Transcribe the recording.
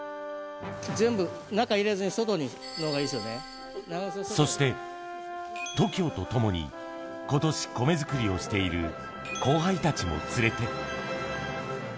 全部中入れずに、外のほうがそして、ＴＯＫＩＯと共にことし米作りをしている後輩たちも連れて。